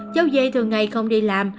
cháu dê thường ngày không đi làm